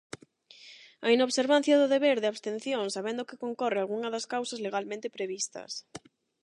A inobservancia do deber de abstención sabendo que concorre algunha das causas legalmente previstas.